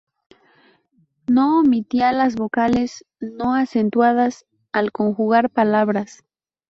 No omitía las vocales no acentuadas al conjugar palabras.